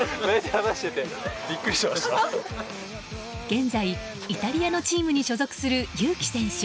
現在、イタリアのチームに所属する祐希選手。